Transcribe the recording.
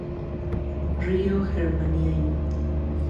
Ryō Germain